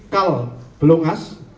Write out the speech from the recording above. kapal kal belongas